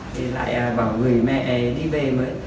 thì lại bảo gửi mẹ đi về mới